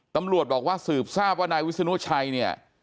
ตำรวจบอกว่าสืบทราบว่านายวิศนุชัยเนี่ย